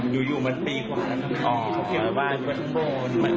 อยู่อยู่มันปีกว่าแล้วค่ะ